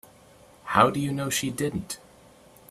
How do you know she didn't?